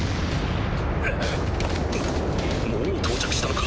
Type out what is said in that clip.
もう到着したのか！